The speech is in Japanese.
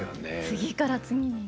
次から次にね。